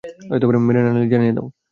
মেনে না নিলে জানিয়ে দাও।